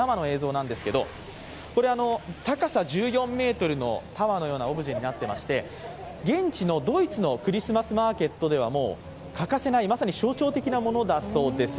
高さ１４ｍのタワーのようなオブジェになっていまして、現地のドイツのクリスマスマーケットでは欠かせないまさに象徴的なものだそうです。